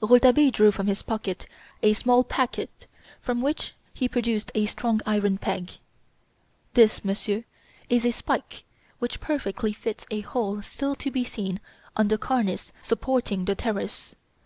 Rouletabille drew from his pocket a small packet, from which he produced a strong iron peg. "This, Monsieur," he said, "is a spike which perfectly fits a hole still to be seen in the cornice supporting the terrace.